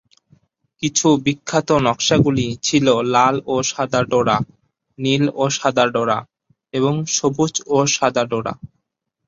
কিছু বিখ্যাত নকশাগুলি ছিল লাল ও সাদা ডোরা, নীল ও সাদা ডোরা এবং সবুজ ও সাদা ডোরা।